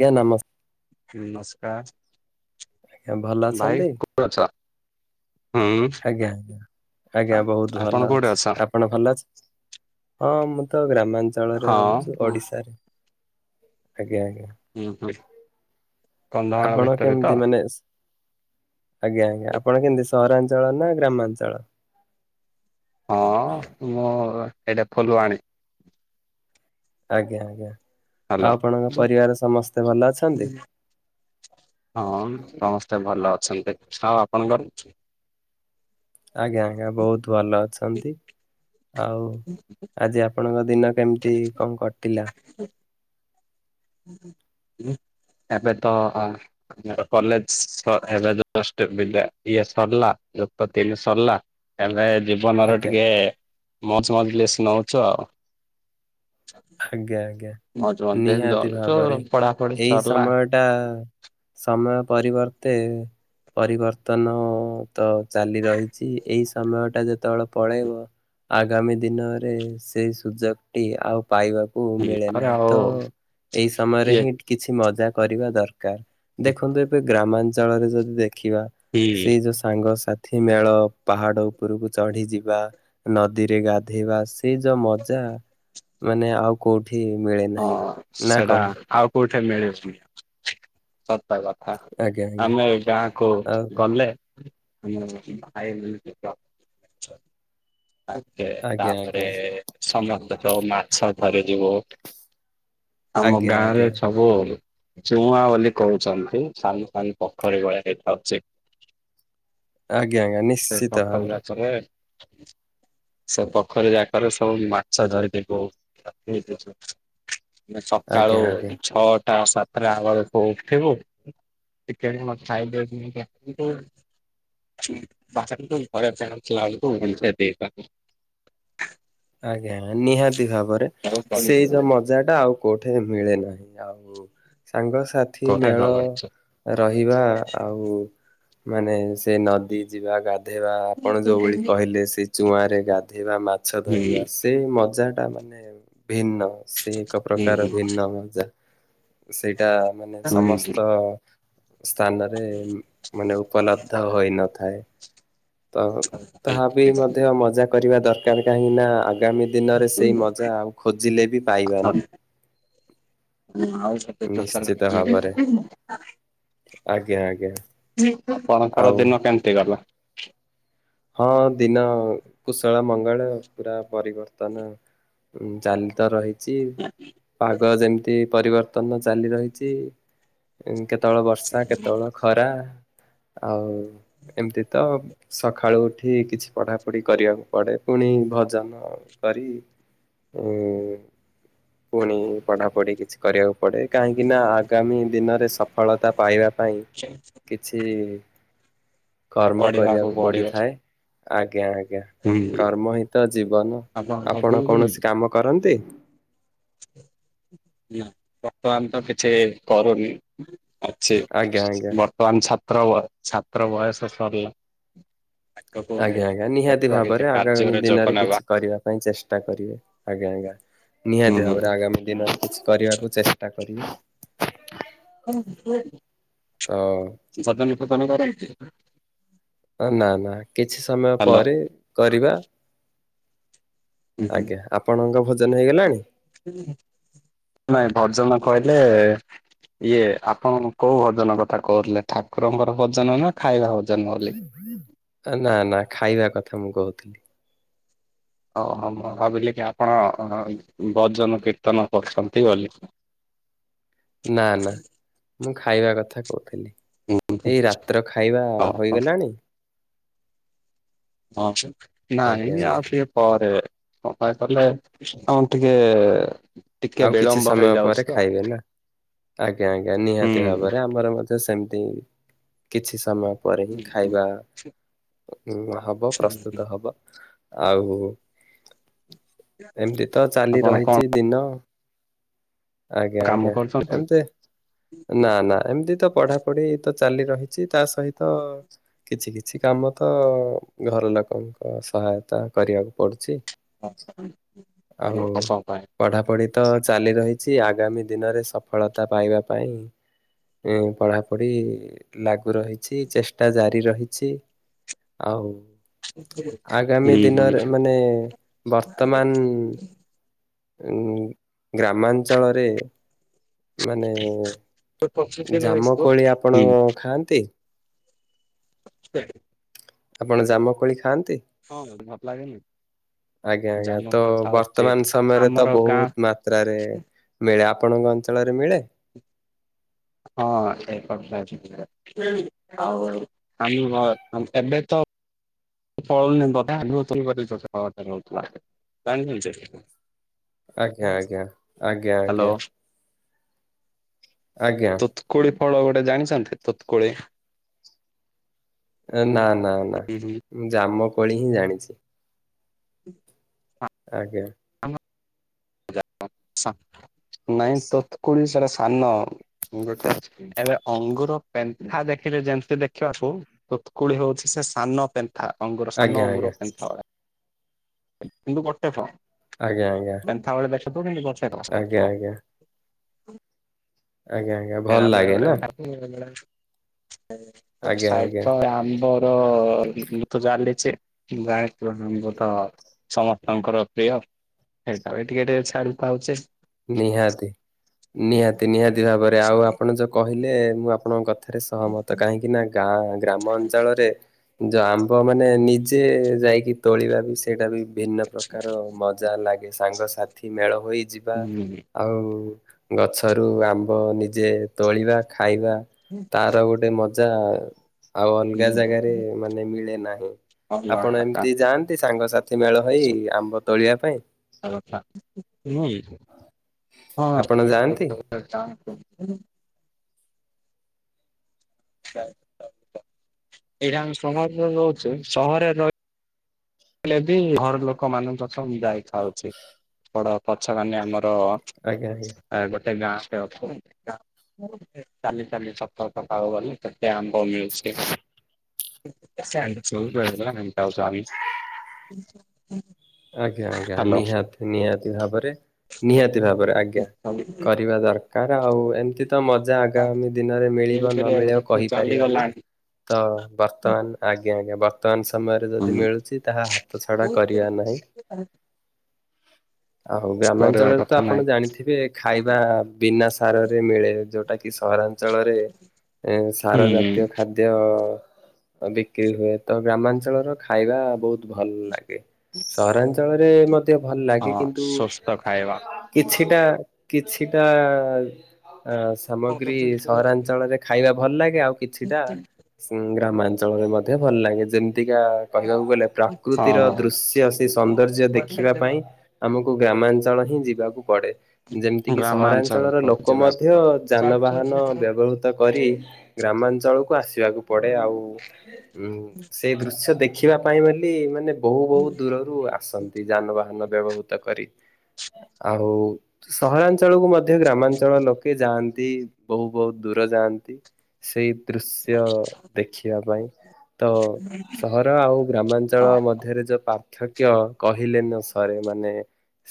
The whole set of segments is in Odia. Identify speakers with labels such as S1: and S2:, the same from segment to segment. S1: ଆଜ୍ଞା ନମ ଭଲ
S2: ନମସ୍କାର ଭାଇ
S1: ଅଛନ୍ତି
S2: କୋଉଠି ଅଛ? ହୁଁ
S1: ଆଜ୍ଞା ଆଜ୍ଞା ଆଜ୍ଞା ବହୁତ
S2: ଆପଣ
S1: ଭଲ
S2: କୋଉଠି
S1: ଅଛି
S2: ଅଛ?
S1: ଆପଣ ଭଲ ଅଛ ହଁ ମୁଁ ତ ଗ୍ରାମାଞ୍ଚଳରେ
S2: ହଁ
S1: ରହୁଛୁ
S2: ହୁଁ
S1: ଓଡିଶାରେ ଆଜ୍ଞା ଆଜ୍ଞା।
S2: ହଁ ହୁଁ କନ୍ଧମାଳ
S1: ଆପଣ
S2: ଭିତରେ
S1: କେମିତି
S2: ତ?
S1: ମାନେ ଆଜ୍ଞା ଆଜ୍ଞା ଆପଣ କେମିତି ସହରାଞ୍ଚଳ ନା ଗ୍ରାମାଞ୍ଚଳ?
S2: ହଁ ମୁଁ ଏଇଟା ଫୁଲୁବାଣି।
S1: ଆଜ୍ଞା ଆଜ୍ଞା। ଆଉ
S2: ହ୍ୟାଲୋ।
S1: ଆପଣଙ୍କ ପରିବାର ସମସ୍ତେ ଭଲ ଅଛନ୍ତି?
S2: ହଁ ସମସ୍ତେ ଭଲ ଅଛନ୍ତି ଆଉ ଆପଣଙ୍କର?
S1: ଆଜ୍ଞା ଆଜ୍ଞା ବହୁତ ଭଲ ଅଛନ୍ତି ଆଉ ଆଜି ଆପଣଙ୍କ ଦିନ କେମିତି କଣ କଟିଲା?
S2: ହୁଁ [unintelligible] ଏବେ ତ କଲେଜ ଏବେ ଯଷ୍ଟ ଇଏ ସରିଲା। ଦୈପତି ବି ସରିଲା ଆ ଜୀବନର
S1: ଆଜ୍ଞା
S2: ଟିକେ ମଜ ମଜଲିସ୍ ନଉଛ ଆଉ।
S1: ଆଜ୍ଞା ଆଜ୍ଞା।
S2: ମଜ ମଜଲିସ୍
S1: ନିହାତି
S2: ନଉଛୁ
S1: ଭାବରେ
S2: ପଢାପଢି
S1: ଏଇ
S2: ସରିଲା।
S1: ସମୟ ଟା ସମୟ ପରିବର୍ତ୍ତେ ପରିବର୍ତ୍ତନ ତ ଚାଲି ରହିଛି ଏଇ ସମୟଟା ଯେ ତଳ ପଳେଇବ ଆଗାମୀ ଦିନରେ ସେଇ ସୁଯୋଗଟି ଆଉ ପାଇବାକୁ ମିଳେ
S2: ତାପରେ
S1: ନାହିଁ
S2: ଆଉ
S1: ତ ଏଇ ସମୟରେ
S2: ଇଏ
S1: ହିଁ କିଛି ମଜା କରିବା ଦର କାର ଦେଖନ୍ତୁ ଏବେ ଗ୍ରାମାଞ୍ଚଳରେ ଯଦି ଦେଖିବା
S2: କି
S1: ସେଇ ଯୋଉ ସାଙ୍ଗସାଥି ଏଥିମେଳ ପାହାଡ ଉପରକୁ ଚଢି ଯିବା ନଦୀରେ ଗାଧେଇବା ସେଇ ଯୋଉ ମଜା ମାନେ ଆଉ କୋଉଠି ମିଳେ ନାହିଁ
S2: ହଁ
S1: ନା
S2: ସେଟା
S1: କଣ
S2: ଆଉ କୋଉଠି ମିଳୁନି। ସତ କଥା
S1: ଆଜ୍ଞା ଆଜ୍ଞା
S2: ଆମେ ଗାଁକୁ
S1: ଆଉ
S2: ଗଲେ [unintelligible] ଆ କେ
S1: ଆଜ୍ଞା
S2: ତାପରେ
S1: ଆଜ୍ଞା
S2: ସମସ୍ତେ ତ ମାଛ ଧରି ଯିବୁ ଆମ
S1: ଆଜ୍ଞା ଆଜ୍ଞା
S2: ଗାଁରେ
S1: ଆଜ୍ଞା
S2: ସବୁ ଚୁଆଁ ବୋଲି କହୁଛନ୍ତି। ସାନ ସାନ ପୋଖରୀ ଭଳିଆ ଦେଖାହୋଉଛି।
S1: ଆଜ୍ଞା
S2: ସେ
S1: ନିଶ୍ଚିତ
S2: ପୋଖରୀ
S1: ଭାବରେ
S2: ମାଛରେ ସେ ପୋଖରୀ ଯାକର ସବୁ ମାଛ ଧରିଥା ବହୁ ହେଇ
S1: ଆଜ୍ଞା
S2: ସକାଳୁ
S1: ଆଜ୍ଞା।
S2: ଛଅଟା ସାତଟା ହେଲାବେଳକୁ ଉଠିବୁ। ଟିକେ କଣ ଖାଇଦେଉଛି ତ। [unintelligible] ଥିଲାବେଲକୁ [unintelligible]
S1: ଆଜ୍ଞା ନିହାତି ଭାବରେ
S2: ଆଉ
S1: ସେଇ ଯୋଉ ମଜାଟା ଆଉ କୋଉଠେ ମିଳେ ନାହିଁ ଆଉ ସାଙ୍ଗସାଥି
S2: କଥା ନ
S1: ମେଳ ରହିବା ଆଉ ମାନେ ସେ ନଦୀ ଯିବା ଗାଧ ଧେଇବା ଆପଣ ଯେଉଁଭଳି କହିଲେ ସେ ଚୁଆଁରେ ଗାଧୋଇବା ମାଛ ଧରିବା ସେ ମଜା ଟା ମାନେ ଭିନ୍ନ ସେ ଏକ ପ୍ରକାର ଭିନ୍ନ ମଜା। ସେଇଟା ମାନେ ସମସ୍ତ ସ୍ଥାନରେ ମାନେ ଉପଲବ୍ଧ ହୋଇନଥାଏ। ତ ତାହା ବି ମଧ୍ୟ ମଜା କରିବା ଦରକାର କାହିଁକି ନା ଆଗାମୀ ଦିନରେ ସେଇ ମଜା ଆଉ ଖୋଜିଲେ ବି ପାଇବାନି।
S2: ହୁଁ ଆଉ ସେଠି ଟୋଟାଲ
S1: ନିଶ୍ଚିତ ଭାବରେ
S2: ମିଳିବ।
S1: ଆଜ୍ଞା ଆଜ୍ଞା।
S2: ଆପଣଙ୍କର
S1: ଆଉ
S2: ଦିନ କେମତି ଗଲା?
S1: ହଁ ଦିନ କୁଶଳ ମଙ୍ଗଳ ପୁରା ପରିବର୍ତନ। ଉଁ ଚାଲି ତ ରହିଛି ପାଗ ଯେମିତି ପରିବର୍ତ୍ତନ ଚାଲି ରହିଛି କେତେବେଳେ ବର୍ଷା କେତେବେଳେ ଖରା। ଆଉ ଏମିତି ତ ସ ସଖାଳୁ ଉଠି କିଛି ପଢା ପଢି କରିବାକୁ ପଡେ ପୁଣି ଭଜନ କରି ଉଁ ପୁଣି ପଢାପଢି କିଛି କରିବାକୁ ପଡ଼େ କାହିଁକିନା ଆଗାମୀ ଦିନରେ ସଫଳତା ପାଇବା ପାଇଁ କିଛି କର୍ମ
S2: ପଢିବାକୁ
S1: କରିବାକୁ
S2: ପଡିବ
S1: ପଡିଥାଏ ଆଜ୍ଞା। ଆଜ୍ଞା କର୍ମ ହ ତ ଜୀବନ
S2: ଭଜନ
S1: ଆପଣ
S2: କରନ୍ତି?
S1: କୌଣସି କାମ କରନ୍ତି?
S2: ନା ବର୍ତ୍ତମାନ ତ କିଛି କରୁନି। ଅଛି
S1: ଆଜ୍ଞା ଆଜ୍ଞା।
S2: ବର୍ତ୍ତମାନ ଛାତ୍ର ଛାତ୍ର ବୟସ ସରିଲା। ଆଗକୁ
S1: ଆଜ୍ଞା ଆଜ୍ଞା ନିହାତି
S2: ଦେଖିବା କିଛି
S1: ଭାବରେ ଆଗାମୀ
S2: କାର୍ଯ୍ୟରେ ଯୋଗ
S1: ଦିନରେ
S2: ନେବା।
S1: କିଛି କରିବା ପାଇଁ ଚେଷ୍ଟା କରିବେ ଆଜ୍ଞା ଆଜ୍ଞା। ନିହାତି ଭାବରେ ଆଗାମୀ ଦିନରେ କିଛି କରିବାକୁ ଚେଷ୍ଟା କରିବି। ତ
S2: ଭଜନ ଫଜନ କରନ୍ତି?
S1: ନା ନା କିଛି ସମୟ ପରେ କରିବା।
S2: ହ ହ
S1: ଆଜ୍ଞା ଆପଣଙ୍କ ଭୋଜନ ହେଇଗଲାଣି?
S2: ନାଇଁ ଭଜନ କହିଲେ ଲେ ଇଏ ଆପଣ କୋଉ ଭଜନ କଥା କହୁଥିଲେ? ଠାକୁରଙ୍କର ଭଜନ ନା ଖାଇବା ଭୋ
S1: ନା ନା ଖାଇବା କଥା ମୁଁ କହୁଥିଲି।
S2: ଓହୋ ମୁଁ ଭାବିଲି କି ଆପଣ ଭଜନ କୀର୍ତ୍ତନ କରୁଛନ୍ତି ବୋଲି।
S1: ନା ନା ମୁଁ ଖାଇବା କଥା କହୁଥିଲି। ଏଇ ରାତ୍ର ଖାଇବା
S2: ଓହୋ
S1: ହୋଇଗଲାଣି?
S2: ହଁ
S1: ଆଜ୍ଞା
S2: ନାଇଁ ଆଉ
S1: ଆଜ୍ଞା
S2: ଟିକେ ପରେ। ହ କଲେ ହଁ ଟିକେ ଟିକେ
S1: ଆଉ କିଛି
S2: ବିଳମ୍ବ
S1: ସମୟ ପରେ
S2: ହେଇଯାଉଛି ତ
S1: ଖାଇବେ ନା? ଆଜ୍ଞା ଆଜ୍ଞା
S2: ହୁଁ।
S1: ନିହାତି ଭାବରେ ଆମର ମଧ୍ୟ ସେମିତି କିଛି ସମୟ ପରେ ହିଁ ଖାଇବା ଉ ହବ ପ୍ରସ୍ତୁତ ହବ ଆଉ ଏମିତି ତ ଚାଲି
S2: ଆପଣ କଣ
S1: ରହିଛି ଦିନ ଆଜ୍ଞା
S2: କାମ
S1: ଆଜ୍ଞା
S2: କରୁଛନ୍ତି?
S1: ଏମତି ନା ନା ଏମତି ତ ପଢାପଢି ତ ଚାଲି ରହିଛି ତା ସହିତ କିଛି କିଛି କାମ ତ-ଅ-ଅ ଘର ଲୋକଙ୍କ ସହାୟତା କରିବାକୁ ପଡୁଛି।
S2: ହୁଁ
S1: ଆଉ
S2: ହୁଁ।
S1: ପଢାପଢି ତ ଚାଲି ରହି ଛି ଆଗାମୀ ଦିନରେ ସଫଳତା ପାଇବା ପାଇଁ। ଏ ପଢ଼ାପଢି ଲାଗୁ ରହିଛି ଚେଷ୍ଟା ଜାରି ରହିଛି। ଆଉ ଆଗାମୀ ଦିନରେ ମାନେ ବର୍ତ୍ତମାନ ଉ-ଉ-ଉ ଗ୍ରାମାଞ୍ଚଳରେ ମାନେ-ଏ-ଏ
S2: ହୁଁ
S1: ଜାମ କୋଳି ଆପଣ ଖାଆନ୍ତି?
S2: ସେ
S1: ଆପଣ ଜାମୁକୋଳି ଖାଆନ୍ତି?
S2: ହଁ ଭଲ ଲାଗେ।
S1: ଆଜ୍ଞା ଆଜ୍ଞା ତ ବର୍ତ୍ତମାନ ସମୟରେ ତ
S2: ଆମର ଗାଁ
S1: ବହୁତ ମାତ୍ରାରେ ମିଳା ଆପଣଙ୍କ ଅଞ୍ଚଳରେ ମିଳେ?
S2: ହଁ ଏ [unintelligible] ଆଉ ଆମ ଏବେ ତ [unintelligible]
S1: ଆଜ୍ଞା ଆଜ୍ଞା ଆଜ୍ଞା ଆଜ୍ଞା। ଆଜ୍ଞା
S2: ତୋତ୍କୁୋଳି ଫଳ ଗୋଟେ ଜାଣିଛନ୍ତି ତୋତ୍କୁଳିଆ।
S1: ନା ନା ନା ମୁଁ ଜାମ କୋଳି ହିଁ ଜାଣିଛି।
S2: [inaudible]
S1: ଆଜ୍ଞା
S2: [inaudible] ନାଇଁ ତତକୋଳି କାମ ମୁ ଗୋଟେ ଏବେ ଅଙ୍ଗୁର ପେନ୍ଥା ଦେଖିଲେ ଯେମିତି ଦେଖିବାକୁ ତୁତକୁଳି ହଉଛି ସାନ ପେନ୍ଥା ଅଙ୍ଗୁର ସାନ
S1: ଆଜ୍ଞା ଆଜ୍ଞା
S2: ଅଙ୍ଗୁର ପେନ୍ଥା ଭଳିଆ କିନ୍ତୁ ଗୋଟେ ଫଳ।
S1: ଆଜ୍ଞା ଆଜ୍ଞା।
S2: ପେନ୍ଥା
S1: ଆଜ୍ଞା ଆଜ୍ଞା
S2: [unintelligible]
S1: ଆଜ୍ଞା ଆଜ୍ଞା
S2: ଏଇଟା
S1: ଭଲ
S2: ବେଳେ
S1: ଲାଗେ ନା।
S2: ଗୋଟେ
S1: ଆଜ୍ଞା
S2: ସାଇଡ
S1: ଆଜ୍ଞା
S2: ତ ଆମ୍ବର-ଅ-ଅ-ଅ ମୁଁ ତ ଜାଲିଛି [unintelligible] ତ ସମସ୍ତଙ୍କର ପ୍ରିୟ। ସେଇଟା ବି ଟିକେ ଟିକେ ଛାଡି ଥାଉଛେ।
S1: ନିହାତି ନିହାତି ନିହାତି ଭାବରେ ଆଉ ଆପଣ ଯୋଉ କହିଲେ ମୁଁ ଆପଣଙ୍କ ରେ ସହମତ କାହିଁକି ନା ଗାଁ ଗ୍ରାମ ଅଞ୍ଚଳରେ ଯ ପୁଅମାନେ ନିଜେ ଯାଇକି ତୋଳିବା ବି ସେଇଟା ବି ଭିନ୍ନ ପ୍ରକାର ମଜା ଲାଗେ ସାଙ୍ଗସାଥି ମେଳ ହୋଇଯିବା ଆଉ ଗଛରୁ ଆମ୍ବ ନିଜେ ତୋଳିବା ଖାଇବା
S2: ହୁଁ।
S1: ତାର ଗୋଟେ ମଜ ଯା ଆଉ ଅଲଗା ଜାଗାରେ
S2: ହୁଁ
S1: ମାନେ ମିଳେ ନାହିଁ।
S2: ଭଲ
S1: ଆପଣ
S2: କଥା
S1: ଏମିତି ଯାଆନ୍ତି ସାଙ୍ଗସାଥି ମେଳ ହୋଇ
S2: ସତ
S1: ଆମ୍ବ ତୋଳିବା ପାଇଁ?
S2: କଥା ନୁହେଁ କି?
S1: ଆପଣ ଯାଆନ୍ତି?
S2: ହଁ [inaudible] ଏଇଟା ଆମେ ସହରରେ ରହୁଛେ ସହରରେ ରହି ହେଲେ ବି ଘର ଲୋକ ମାନଙ୍କ ପ୍ରଥମ ଯାଇ ଥାଉଛି ବଡ ପଛ ମାନେ ଆମ ତ
S1: ଆଜ୍ଞା ଆଜ୍ଞା।
S2: ଆ ଗୋଟେ ଗାଁ [inaudible] ଅ ଚାଲି ଚାଲି [unintelligible] ଗଲି। ତ ଆମ୍ବ ମିଳୁଛଛି [unintelligible] ହୁ ହୁଁ
S1: ଆଜ୍ଞା ଆଜ୍ଞା ନିହାତି ନିହାତି ଭାବରେ ନିହାତି ଭାବରେ ଆଜ୍ଞା। କରିବା ଦରକାର ଆଉ ଏମତି ତ ମଜା ଆଗାମୀ ଦିନରେ ମିଳିବ ନ ମିଳିବ କହିପାରିବାନି
S2: ଚାଲିଗଲାଣି
S1: ତ ବର୍ତ୍ତମାନ ଆଜ୍ଞା ଆଜ୍ଞା ବର୍ତ୍ତମାନ ସମୟରେ ଯଦି ମିଳୁଛି ତାହା ହାତ ଛଡ଼ା କରିବା ନାହିଁ।
S2: [unintelligible]
S1: ଆଉ
S2: କରିବା
S1: ଗ୍ରାମାଞ୍ଚଳରେ ତ
S2: କଥା
S1: ଆପଣ
S2: ନାହିଁ।
S1: ଜାଣିଥିବେ ଖାଇବା ବିନା ସାରରେ ମିଳେ ଯୋଉଟା କି ସହରାଞ୍ଚଳରେ ସାର
S2: ହୁଁ
S1: ଜାତୀୟ ଖାଦ୍ୟ ବିକ୍ରି ହୁଏ ତ ଗ୍ରାମାଞ୍ଚଳର ଖାଇବା ବହୁତ ଭଲ ଲାଗେ। ସହରାଞ୍ଚଳରେ ଭଲ ଲାଗେ
S2: ହଁ
S1: କିନ୍ତୁ
S2: ସୁସ୍ଥ ଖାଇବା।
S1: କିଛି [unintelligible] କିଛିଟା
S2: ହଁ
S1: ସାମଗ୍ରୀ ସହରାଞ୍ଚଳରେ ଖାଇବା ଭଲ ଲାଗେ ଆଉ କିଛିଟା ଗ୍ରାମାଞ୍ଚଳରେ ମଧ୍ୟ ଭଲ ଲାଗେ ଯେମତି ଅତିିକା କହିବାକୁ ଗଲେ ପ୍ରାକୃତିର ଦୃଶ୍ୟ ସୌନ୍ଦର୍ଯ୍ୟ ଦେଖିବା ପାଇଁ ଆମକୁ ଗ୍ରାମାଞ୍ଚଳ ହିଁ ଯିବାକୁ ପଡେ ଯେମିତିକି ସହରାଞ୍ଚଳର
S2: ଗ୍ରାମାଞ୍ଚଳକୁ
S1: ଲୋକ
S2: ଯିବାକୁ
S1: ମଧ୍ୟ
S2: ପଡିବ।
S1: ଯାନବାହାନ ବ୍ୟବହୃତ କରି ଗ୍ରାମାଞ୍ଚଳକୁ ଆସିବାକୁ ପଡେ ଆଉ ସେଇ ଦୃଶ୍ୟ ଦେଖି ଦେଖିବା ପାଇଁ ବୋଲି ମାନେ ବହୁ ବହୁ ଦୂରରୁ ଆସନ୍ତି ଯାନବାହାନ ବ୍ୟବହୃତ କରି ଆଉ ସହରାଞ୍ଚଳକୁ ମଧ୍ୟ ମଧ୍ୟ ଗ୍ରାମାଞ୍ଚଳ ଲୋକେ ଯାଆନ୍ତି ବହୁ ବହୁତ ଦୂର ଯାଆନ୍ତି ସେଇ ଦୃଶ୍ୟ ଦେଖିବା ପାଇଁ ତ ସହର ଆଉ ଗ୍ରାମାଞ୍ଚଳ
S2: ହଁ
S1: ମଧ୍ୟରେ ଯୋଉ ପାର୍ଥକ୍ୟ କହିଲେ ନ ସରେ ମାନେ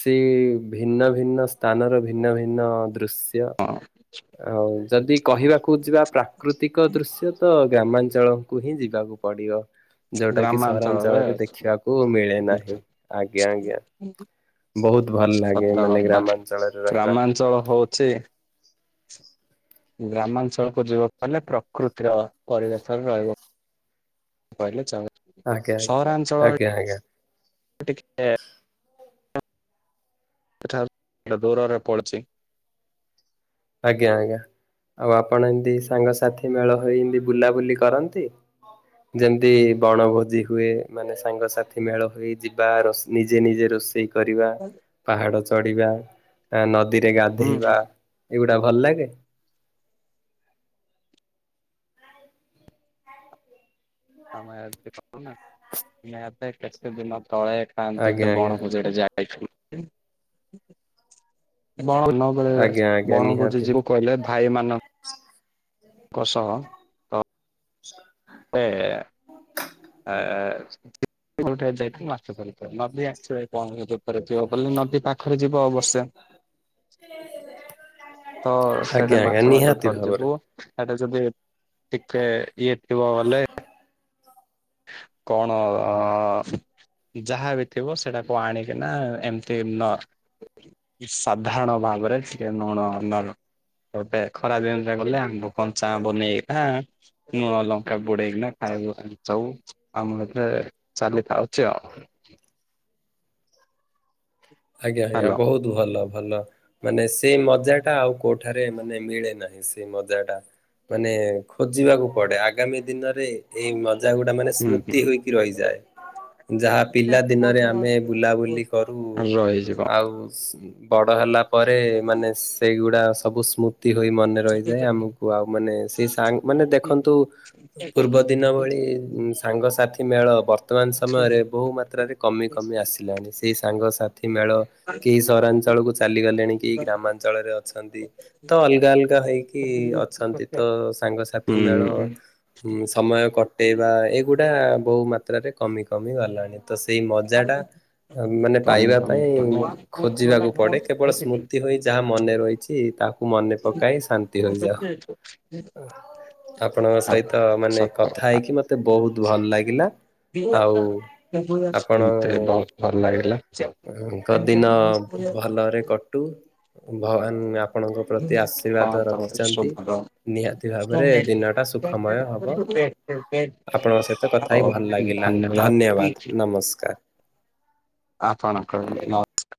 S1: ସେ ଭିନ୍ନ ଭିନ୍ନ ସ୍ଥାନର ଭିନ୍ନ ଭିନ୍ନ ଦୃଶ୍ୟ
S2: ହଁ
S1: ଆଉ ଯଦି କହିବାକୁ ଯିବା ପ୍ରାକୃତିକ ଦୃଶ୍ୟ ତ ତ ଗ୍ରାମାଞ୍ଚଳକୁ ହିଁ ଯିବାକୁ ପଡିବ ଯୋଉଟା କିି
S2: ଗ୍ରାମାଞ୍ଚଳରେ
S1: ସହରାଞ୍ଚଳରେ ଦେଖିବାକୁ ମିଳେ ନାହିଁ ଆଜ୍ଞା ଆଜ୍ଞା। ବହୁତ ଭଲ ଲାଗେ
S2: ସତ
S1: ମାନେ
S2: କଥା
S1: ଗ୍ରାମାଞ୍ଚଳରେ ରହିବା।
S2: ଗ୍ରାମାଞ୍ଚଳ ହଉଛି ଗ୍ରାମାଞ୍ଚଳକୁ ଯିବାକୁ ହେଲେ ପ୍ରକୃତିର ପରିବେଶରେ ରହିବ। [unintelligible] କହିଲେ ଚଳେ
S1: ଆଜ୍ଞା
S2: ସହରାଞ୍ଚଳରେ
S1: ଆଜ୍ଞା ଆଜ୍ଞା।
S2: [unintelligible] [unintelligible] ଦୂରରେ ପଡିଛି
S1: ଆଜ୍ଞା ଆଜ୍ଞା। ଆଉ ଆପଣ ଏମିତି ସାଙ୍ଗସାଥି ମେଳ ହୋଇ ଏମିତି ବୁଲାବୁଲି କରନ୍ତି? ଯେମତି ବଣଭୋଜି ହୁଏ ମାନେ ସାଙ୍ଗ ସାଥି ମେଳ ହୋଇ ଯିବା ରୋଷେ ନିଜେ ନିଜେ ରୋଷେଇ କରିବା ପାହାଡ ଚଢିବା ନଦୀରେ
S2: ହୁଁ
S1: ଗାଧେଇବା [unintelligible] ଗୁଡା ଭଲ ଲାଗେ?
S2: [unintelligible] ତଳେ ଖାଆନ୍ତି
S1: ଆଜ୍ଞା
S2: ଗୋଟେ
S1: ଆଜ୍ଞା
S2: ବଣ ଭୋଜିଟେ [unintelligible] ଯାଇଥିଲ [unintelligible]
S1: ଆଜ୍ଞା ଆଜ୍ଞା
S2: ବଣ ଭୋଜି
S1: ନିହାତି
S2: ଯିବୁ କହିଲେ ଭାଇମାନ [unintelligible] କ ସହ
S1: [unintelligible]
S2: [unintelligible] [unintelligible] [unintelligible] ନଦୀ ପାଖରେ ଯିବ ଅବଶ୍ୟ ତ
S1: ଆଜ୍ଞା
S2: ସେଟା
S1: ଆଜ୍ଞା
S2: ମାଛ ଭାତ
S1: ନିହାତି ଭାବରେ।
S2: ଧରିଯିବୁ ଯଦି ଟିକେ ଇଏ ଥିବ ଭଲେ କଣ? ଯାହା ବି ଥିବ ସେଟାକୁ ଆଣିକିନା ଏମତି ନ ସାଧାରଣ ଭାବରେ [unintelligible] ଭାବରେ [unintelligible] ଏବେ ଖରା ଦିନ ଯେ ଗଲେ ଆମ୍ବ କଞ୍ଚା ଆମ୍ବ ନେଇକିନା ନୁଣ ଲଙ୍କା ବୁଡେଇକିନା ଖା [unintelligible] ଆମ ଏରେ ଚାଲିଥାଉଛି ଆଉ।
S1: ଆଜ୍ଞା ଆଜ୍ଞା
S2: ହ୍ୟାଲୋ
S1: ବହୁତ ଭଲ। ଭଲ ମାନେ ସେ ମଜା ଟା ଆଉ କୋଉଠାରେ ମାନେ ମିଳେ ନାହିଁ। ସେ ମଜା ଟା। ମାନେ ଖୋଜିବାକୁ ପଡେ। ଆଗାମୀ ଦିନରେ ଏଇ ଜା ଗୋଟା ମାନେ
S2: ହୁଁ
S1: ସ୍ମୃତି ହୋଇକି ରହିଯାଏ। ଯାହା ପିଲା ଦିନରେ ଆମେ
S2: ହୁଁ
S1: ବୁଲାବୁଲି କରୁ।
S2: ରହିଯିବ।
S1: ଆଉ ବଡ ହେଲା ପରେ ମାନେ ସେଇଗୁଡା ସବୁ ସ୍ମୁ ହୋଇ ମନେ ରହିଯାଏ। ଆମକୁ ଆଉ ମାନେ ସେଇ ସାଙ୍ଗ୍ ମାନେ ଦେଖନ୍ତୁ ପୂର୍ବ ଦିନ
S2: ହୁଁ
S1: ଭଳି ସାଙ୍ଗସାଥି ମେଳ ବର୍ତ୍ତମାନ ସମୟରେ ବହୁ ମାତ୍ରାରେ କମି କମି ଆସିଲାଣି। ସେଇ ସାଙ୍ଗସା ଥି ମେଳ କେହି ସହରାଞ୍ଚଳ କୁ ଚାଲିଗଲେଣି। କେହି ଗ୍ରାମାଞ୍ଚଳରେ ଅଛନ୍ତି। ତ ଅଲଗା ଅଲଗା ହେଇକି ଅଛନ୍ତି ତ ସାଙ୍ଗସାଥି ମେଳ ସମୟ କଟ କଟେଇବା ଏଗୁଡା ବହୁ ମାତ୍ରାରେ କମି କମି ଗଲାଣି। ତ ସେଇ ମଜାଟା
S2: ତମେ
S1: ମାନେ
S2: ତମେ
S1: ପାଇବା
S2: ତମେ
S1: ପାଇଁ ଖୋଜିବାକୁ ପଡେ କେବଳ ସ୍ମୃତି ହୋଇ ଯାହା ମନେ ରହିଛି ତାକୁ କ ମନେ ପକାଇ ଶାନ୍ତି ହୋଇଯାଉ। ଆପଣଙ୍କ ସହିତ ମାନେ କଥା
S2: ସତକଥା।
S1: ହେଇକି ମତେ ବହୁତ ଭଲ ଲାଗିଲା। ଆଉ
S2: [unintelligible]
S1: ଆପଣ
S2: ବହୁତ୍ ଭଲ ଲାଗିଲା।
S1: ଙ୍କ ଦିନ ଭଲରେ କଟୁ। ଭଗବାନ ଆ ଆପଣଙ୍କ ପ୍ରତି ଆଶୀର୍ବାଦ
S2: ଆପଣଙ୍କର
S1: ରଖିଛନ୍ତି।
S2: ଶୁଭର
S1: ନିହାତି ଭାବରେ ଦିନଟା ସୁଖମୟ ହବ।
S2: ଧନ୍ୟବାଦ
S1: ଆପଣଙ୍କ ସହିତ କଥା ହି ଭଲ ଲାଗିଲା। ଧନ୍ୟବାଦ ନମସ୍କାର।
S2: ଆପଣ କହିଲେ ନ ଯା।